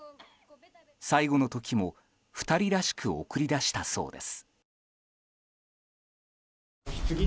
最期の時も２人らしく送り出したそうです。